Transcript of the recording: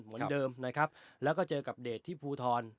เหมือนเดิมนะครับแล้วก็เจอกับเดชที่ภูทร